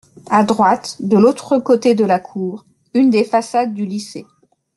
A droite, de l’autre côté de la cour, une des façades du lycée.